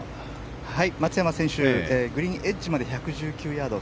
松山選手グリーンエッジまで１１９ヤード